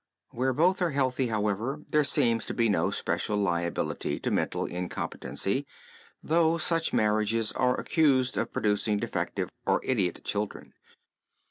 Where both are healthy, however, there seems to be no special liability to mental incompetency, though such marriages are accused of producing defective or idiot children.